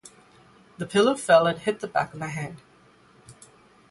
The pillow fell and hit the back of my hand.